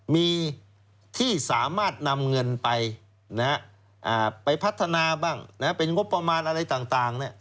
มีที่สามารถนำเงินไปไปพัฒนาบ้างเป็นงบประมาณอะไรต่าง